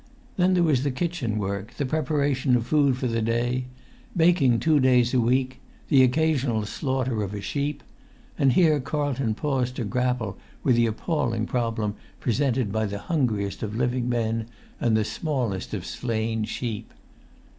Then there was the kitchen work, the preparation of food for the day, baking two days a week, the occasional slaughter of a sheep; and here Carlton paused to grapple with the appalling problem presented by the hungriest of living men and the smallest of slain sheep